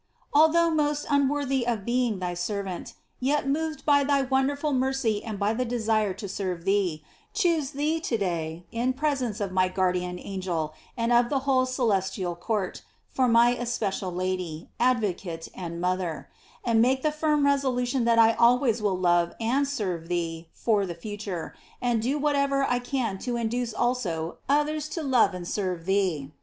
779 N., although most unworthy of being thy ser vant, yet moved by thy wonderful mercy and by the desire to serve thee, choose thee to day, in presence of my guardian angel, and of the whole celestial court, for my especial Lady, Advo cat 3, and mother, and make the firm resolution lhat I always will love and serve thee for the future, and do whatever I can to induce also oth ers to love and serve thee.